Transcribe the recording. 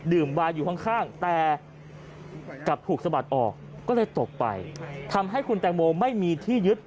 วายอยู่ข้างแต่กลับถูกสะบัดออกก็เลยตกไปทำให้คุณแตงโมไม่มีที่ยึด